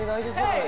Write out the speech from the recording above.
これ。